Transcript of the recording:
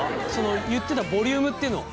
言ってたボリュームっていうのは？